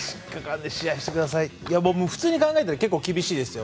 いや、普通に考えたら結構厳しいですよ。